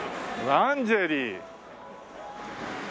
ランジェリー！